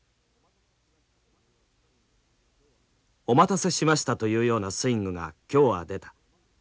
「お待たせしましたというようなスイングが今日は出た。